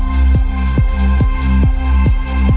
โปรดติดตามตอนต่อไป